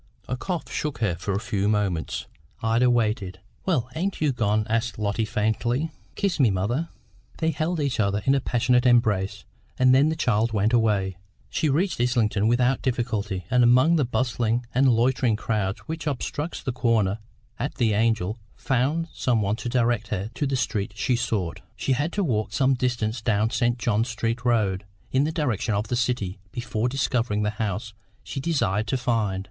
A cough shook her for a few moments. Ida waited. "Well, ain't you gone?" asked Lotty faintly. "Kiss me, mother." They held each other in a passionate embrace, and then the child went away. She reached Islington without difficulty, and among the bustling and loitering crowd which obstructs the corner at the Angel, found some one to direct her to the street she sought. She had to walk some distance down St. John Street Road, in the direction of the City, before discovering the house she desired to find.